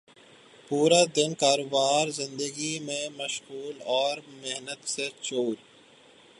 پورا دن کاروبار زندگی میں مشغول اور محنت سے چور